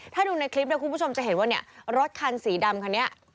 ถ้าดูในคลิปเนี่ยคุณผู้ชมจะเห็นว่าเนี่ยรถคันสีดำคันนี้